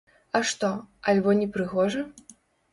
А што, альбо не прыгожа?